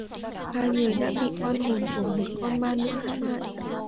Hai người đã bị oan hồn của một ma nữ hãm hại